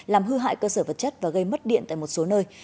làm hư hại cơ sở vật chất và gây mất điện tại một số nơi